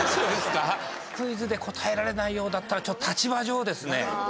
クイズで答えられないようだったらちょっと立場上ですね。